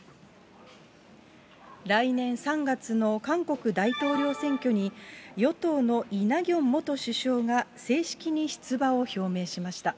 来年３月の韓国大統領選挙に、与党のイ・ナギョン元首相が、正式に出馬を表明しました。